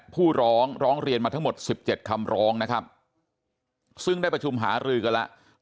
ผู้ร้องร้องเรียนมาทั้งหมด๑๗คำร้องนะครับซึ่งได้ประชุมหารือกันแล้ว